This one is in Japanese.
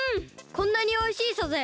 こんなにおいしいサザエ